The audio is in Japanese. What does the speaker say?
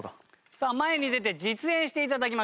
さあ前に出て実演して頂きましょう。